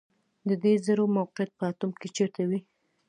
د دې ذرو موقعیت په اتوم کې چیرته وي